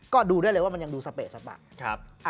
ก็ดูได้เลยว่ามันยังดูสเปะสปะ